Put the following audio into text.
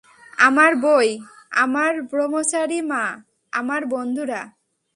আমার বই, আমার ব্রহ্মচারী মা, আমার বন্ধুরা।